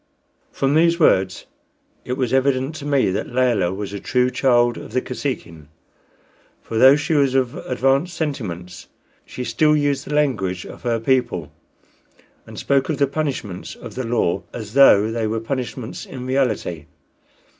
From these words it was evident to me that Layelah was a true child of the Kosekin; for though she was of advanced sentiments she still used the language of her people, and spoke of the punishments of the law as though they were punishments in reality.